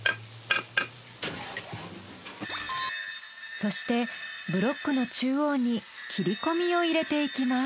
そしてブロックの中央に切り込みを入れていきます。